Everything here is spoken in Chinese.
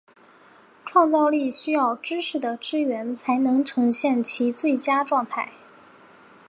创造力需要知识的支援才能呈现其最佳状态。